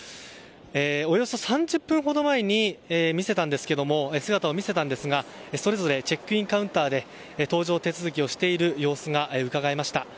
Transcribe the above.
およそ３０分ほど前に姿を見せたんですがそれぞれチェックインカウンターで搭乗手続きをしている様子がうかがえました。